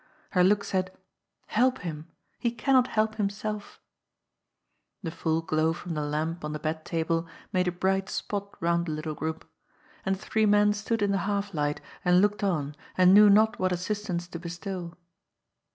Her look said :*^ Help him ! He cannot help himself !" The full glow from the lamp on the bed table made a bright spot round the little group. And the three men stood in the half light and looked on, and knew not what assistance to bestow.